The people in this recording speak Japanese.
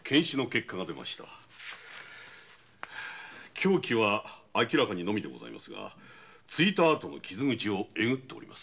凶器は明らかに「ノミ」ですが突いたあとの傷口をえぐっております。